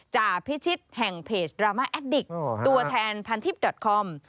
พิชิตแห่งเพจดราม่าแอดดิกตัวแทนพันทิพย์ดอตคอม